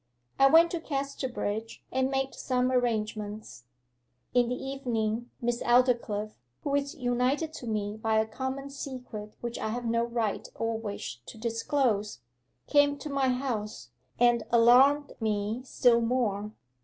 I went to Casterbridge and made some arrangements. In the evening Miss Aldclyffe (who is united to me by a common secret which I have no right or wish to disclose) came to my house, and alarmed me still more.